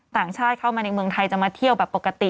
ต่างชาติเข้ามาในเมืองไทยจะมาเที่ยวแบบปกติ